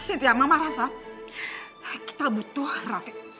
cynthia mama rasa kita butuh rafiq